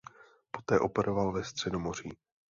Poté operoval ve Středomoří.